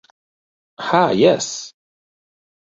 Ha jes!